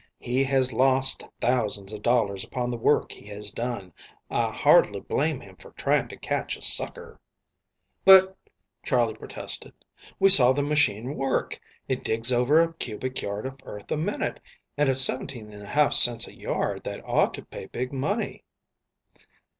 He has lost thousands of dollars upon the work he has done. I hardly blame him for trying to catch a sucker." "But," Charley protested, "we saw the machine work. It digs over a cubic yard of earth a minute, and, at 17½ cents a yard, that ought to pay big money."